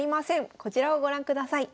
こちらをご覧ください。